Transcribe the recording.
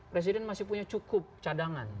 presiden masih punya cukup cadangan